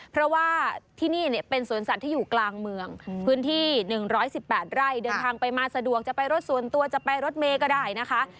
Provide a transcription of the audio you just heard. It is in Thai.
เพราะว่าที่นี่เป็นสวนสัตว์ที่อยู่กลางเมืองพื้นที่๑๑๘ไร่เดินทางไปมาสะดวกจะไปรถส่วนตัวจะไปรถเมย์ก็ได้นะคะ